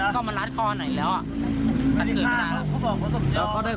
ก็มันรัดคอหน่อยแล้วตั้งคืนไม่ได้แล้ว